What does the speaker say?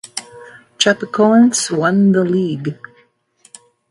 Chapecoense won the league.